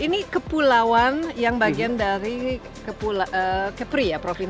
ini kepulauan yang bagian dari kepri ya